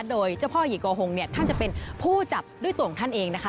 โดยเจ้าพ่อหยิโกหงเนี่ยท่านจะเป็นผู้จับด้วยตัวของท่านเองนะคะ